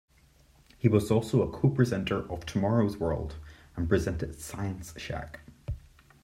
He was also a co-presenter of "Tomorrow's World", and presented "Science Shack".